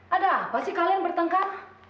ada apa sih kalian bertengkar